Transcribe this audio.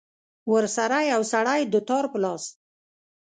ورسره يو سړى دوتار په لاس.